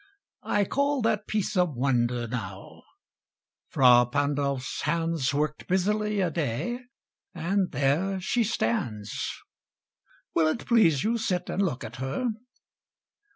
I call That piece a wonder, now: Fra Pandolf's hands Worked busily a day, and there she stands. Will't please you sit and look at her?